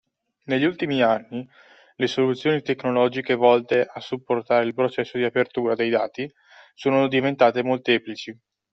Negli ultimi anni le soluzioni tecnologiche volte a supportare il processo di apertura dei dati sono diventate molteplici.